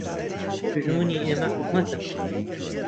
دوژمنی ئێمە حکومەتە